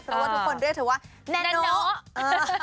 เพราะว่าทุกคนเรียกเธอว่าแนโน